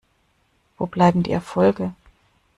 Wo bleiben die Erfolge?